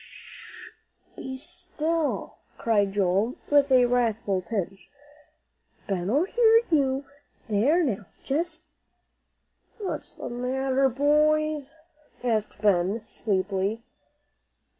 "Sh , be still!" cried Joel, with a wrathful pinch. "Ben'll hear you, there now, just see!" "What's the matter, boys?" asked Ben, sleepily.